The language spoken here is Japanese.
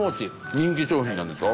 人気商品なんですか？